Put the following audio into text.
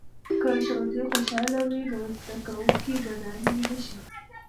که ښوونځي خوشاله وي، نو زده کوونکي به ناهیلي نه شي.